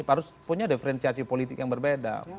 harus punya diferensiasi politik yang berbeda